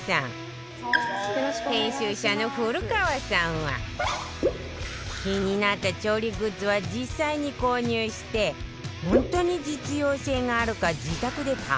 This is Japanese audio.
編集者の古川さんは気になった調理グッズは実際に購入して本当に実用性があるか自宅で試しまくってるんだって